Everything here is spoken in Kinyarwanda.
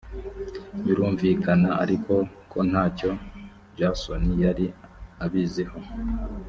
birumvikana ariko ko nta cyo jason yari abiziho